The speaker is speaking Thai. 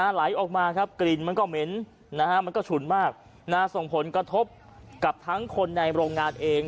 ไหลออกมาครับกลิ่นมันก็เหม็นมันก็ฉุนมากส่งผลกระทบกับทั้งคนในโรงงานเอง